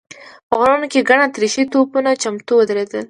په غرونو کې ګڼ اتریشي توپونه چمتو ودرېدلي و.